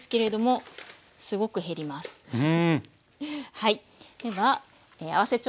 はい。